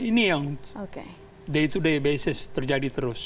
ini yang day to day basis terjadi terus